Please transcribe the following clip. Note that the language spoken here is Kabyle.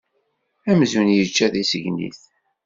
Amzun yečča tisegnit.